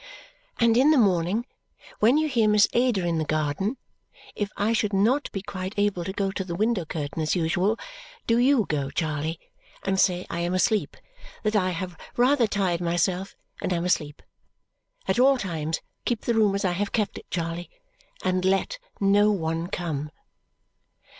"And in the morning, when you hear Miss Ada in the garden, if I should not be quite able to go to the window curtain as usual, do you go, Charley, and say I am asleep that I have rather tired myself, and am asleep. At all times keep the room as I have kept it, Charley, and let no one come."